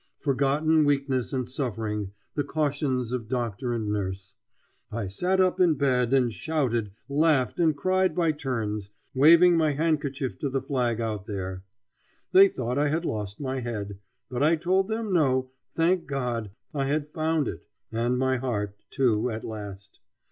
Forgotten weakness and suffering, the cautions of doctor and nurse. I sat up in bed and shouted, laughed and cried by turns, waving my handkerchief to the flag out there. They thought I had lost my head, but I told them no, thank God! I had found it, and my heart, too, at last.